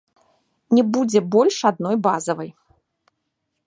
Не будзе больш адной базавай.